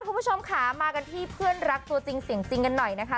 คุณผู้ชมค่ะมากันที่เพื่อนรักตัวจริงเสียงจริงกันหน่อยนะคะ